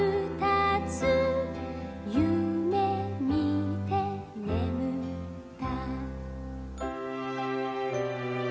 「ゆめみてねむった」